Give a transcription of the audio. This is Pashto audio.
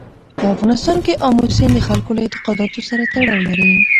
په افغانستان کې آمو سیند د خلکو له اعتقاداتو سره تړاو لري.